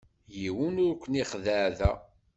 Yiwen ur ken-ixeddeε da.